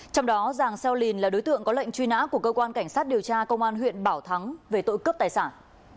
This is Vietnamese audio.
trong đó giàng xeo lìn là đối tượng có lệnh truy nã của cơ quan cảnh sát điều tra công an huyện bảo thắng về tội cướp tài sản